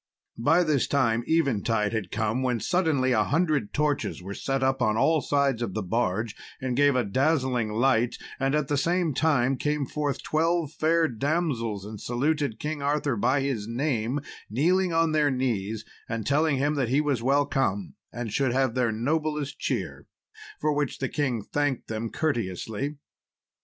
By this time eventide had come, when suddenly a hundred torches were set up on all sides of the barge, and gave a dazzling light, and at the same time came forth twelve fair damsels, and saluted King Arthur by his name, kneeling on their knees, and telling him that he was welcome, and should have their noblest cheer, for which the king thanked them courteously.